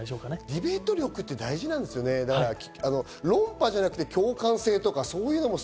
ディベート力って大事なんですよね、論破じゃなくて共感性。